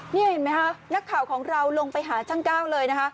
นี่เห็นไหมคะนักข่าวของเราลงไปหาช่างก้าวเลยนะคะ